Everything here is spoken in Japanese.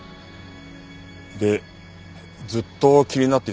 でずっと気になっていたんだが。